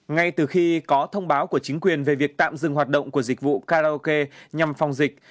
ngay từ khi có thông báo của chính quyền về việc tạm dừng hoạt động của dịch vụ karaoke nhằm phòng dịch